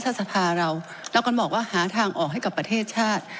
สภาเราเราก็บอกว่าหาทางออกให้กับประเทศชาติ